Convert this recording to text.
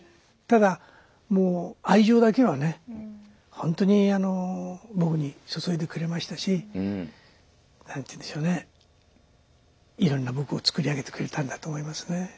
本当に僕に注いでくれましたし何て言うんでしょうねいろんな僕をつくり上げてくれたんだと思いますね。